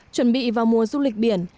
chuẩn bị vào mùa du lịch biển